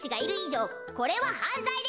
これははんざいです。